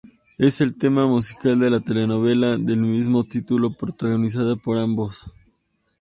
Es el tema musical de la telenovela del mismo título, protagonizada por ambos.